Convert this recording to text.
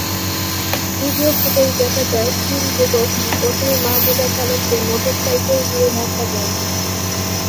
Video ফুটেজে দেখা যায়, তিন যুবক প্রথমে মাহমুদা খানমকে মোটরসাইকেল দিয়ে ধাক্কা দেন।